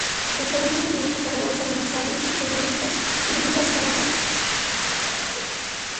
Sus abuelos vinieron de Zaragoza, Buenos Aires y Tenerife, en las Islas Canarias.